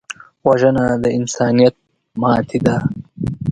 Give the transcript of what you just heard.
وژنه د انسانیت ماتې ده